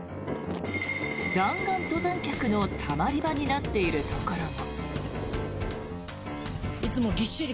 弾丸登山客のたまり場になっているところも。